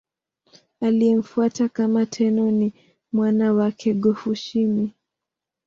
Aliyemfuata kama Tenno ni mwana wake Go-Fushimi.